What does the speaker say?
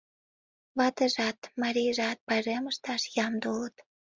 Ватыжат, марийжат пайрем ышташ ямде улыт.